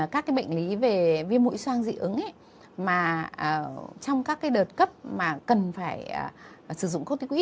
các bệnh lý về viêm mũi soan dị ứng trong các đợt cấp mà cần phải sử dụng corticoid